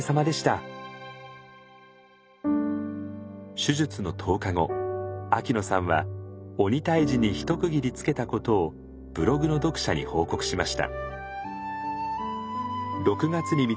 手術の１０日後秋野さんは鬼退治に一区切りつけたことをブログの読者に報告しました。